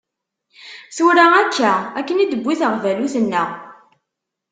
Tura akka, akken i d-tewwi teɣbalut-nneɣ.